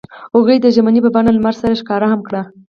هغوی د ژمنې په بڼه لمر سره ښکاره هم کړه.